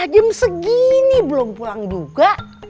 jam segini belum pulang juga